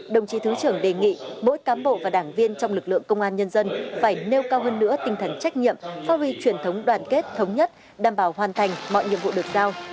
đồng chí thứ trưởng đề nghị mỗi cám bộ và đảng viên trong lực lượng công an nhân dân phải nêu cao hơn nữa tinh thần trách nhiệm phát huy truyền thống đoàn kết thống nhất đảm bảo hoàn thành mọi nhiệm vụ được giao